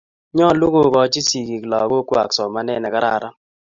Nyalu kokochi sigik lagokwak somanet ne kararan